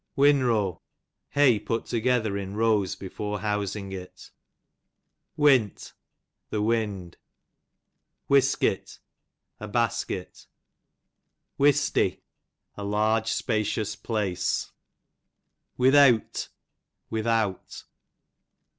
Winrow, hay put together in rows before housing it. Wint, the wind. Wisket, a basket. Wistey, a large spacioics place. 110 Witheawt, without.